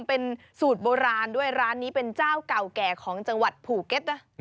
เป็นสูตรโบราณด้วยร้านนี้เป็นเจ้าเก่าแก่ของจังหวัดภูเก็ตนะ